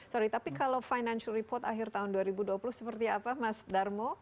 sorry tapi kalau financial report akhir tahun dua ribu dua puluh seperti apa mas darmo